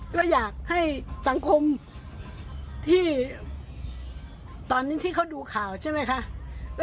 ก็อยากให้สังคมที่ตอนนี้ที่เขาดูข่าวใช่ไหมคะ